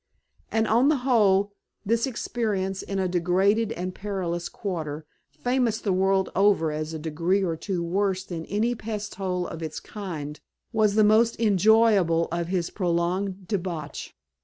And, on the whole, this experience in a degraded and perilous quarter, famous the world over as a degree or two worse than any pest hole of its kind, was the most enjoyable of his prolonged debauch.